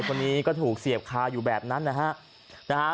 คนนี้ก็ถูกเสียบคาอยู่แบบนั้นนะฮะ